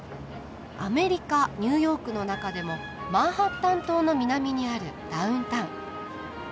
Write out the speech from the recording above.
アメリカ・ニューヨークの中でもマンハッタン島の南にあるダウンタウン。